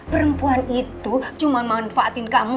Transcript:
perempuan itu cuma manfaatin kamu